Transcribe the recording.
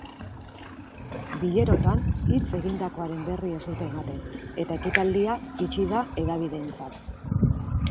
Bilerotan hitz egindakoaren berri ez dute ematen, eta ekitaldia itxia da hedabideentzat.